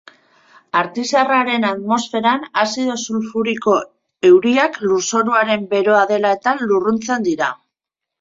Artizarraren atmosferan azido sulfuriko-euriak lurzoruaren beroa dela eta lurruntzen dira.